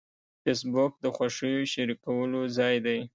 فېسبوک د خوښیو شریکولو ځای دی